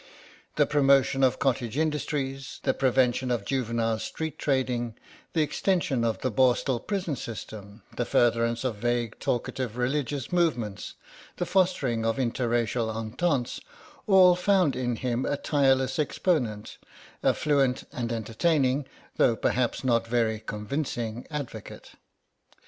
The promotion of cottage industries, the prevention of juvenile street trading, the extension of the Borstal prison system, the furtherance of vague talkative religious movements the fostering of inter racial ententes, all found in him a tireless exponent, a fluent and entertaining, though perhaps not very convincing, advocate.